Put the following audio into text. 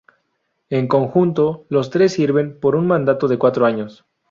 En conjunto, los tres sirven por un mandato de cuatro años.